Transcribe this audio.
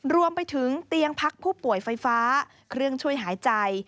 เตียงพักผู้ป่วยไฟฟ้าเครื่องช่วยหายใจ